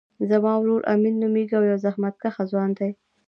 زما ورور امین نومیږی او یو زحمت کښه ځوان دی